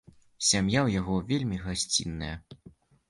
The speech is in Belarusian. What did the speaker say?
Сям'я ў яго вельмі гасцінная.